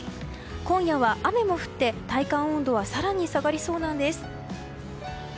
今夜は雨も降って、体感温度は更に下がりそうなんです。